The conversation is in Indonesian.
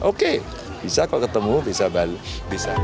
oke bisa kok ketemu bisa